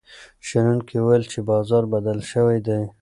شنونکي وویل چې بازار بدل شوی دی.